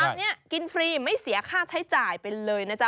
แบบนี้กินฟรีไม่เสียค่าใช้จ่ายไปเลยนะจ๊